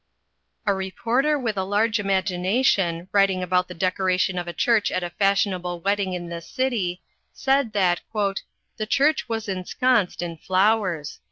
A reporter with a large imagination, writing about the decoration of a church at a fashionable wedding in this city, said that "the church was ensconced in flowers."